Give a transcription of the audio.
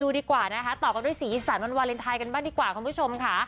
ดีกว่านะคะต่อกันด้วยสีอีสานวันวาเลนไทยกันบ้างดีกว่าคุณผู้ชมค่ะ